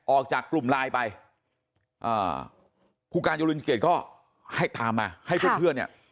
ออกจากกลุ่มไลน์ไปอ่าผู้การเจริญเกียจก็ให้ตามมาให้เพื่อนเพื่อนเนี่ย